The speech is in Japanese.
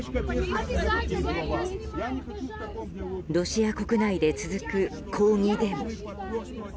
ロシア国内で続く抗議デモ。